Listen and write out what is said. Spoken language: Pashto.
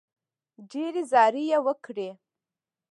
ډېرې زارۍ یې وکړې.